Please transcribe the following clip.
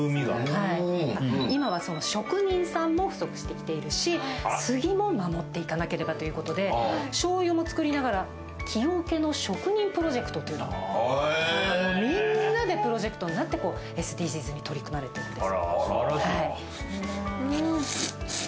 今は職人さんも不足してきているし、杉も守っていかなければということでしょうゆも作りながら木おけの職人プロジェクトというみんなでプロジェクトになってＳＤＧｓに取り組まれているんです。